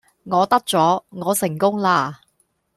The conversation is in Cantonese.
我得咗，我成功啦